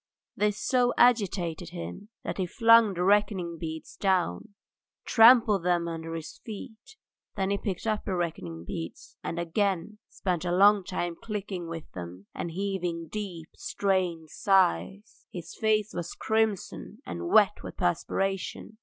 This so agitated him that he flung the reckoning beads down, and trampled them under his feet. Then he picked up the reckoning beads, and again spent a long time clicking with them and heaving deep, strained sighs. His face was crimson and wet with perspiration.